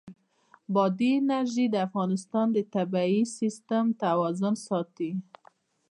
بادي انرژي د افغانستان د طبعي سیسټم توازن ساتي.